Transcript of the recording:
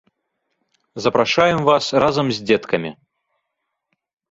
Запрашаем вас разам з дзеткамі!